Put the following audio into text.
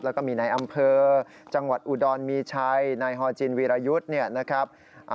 แล้วก็มีในอำเภอจังหวัดอุดรมีชัยนายฮอจินวีรยุทธ์เนี่ยนะครับ